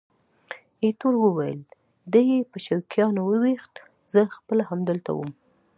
ایټور وویل: دی یې په چوکیانو وویشت، زه خپله همالته وم.